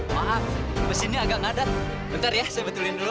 maaf mesinnya agak ngadat bentar ya saya betulin dulu